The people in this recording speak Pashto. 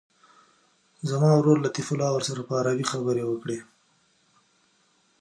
زما ورور لطیف الله ورسره په عربي خبرې وکړي.